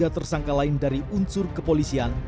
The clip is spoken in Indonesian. tiga tersangka lain dari unsur kepolisian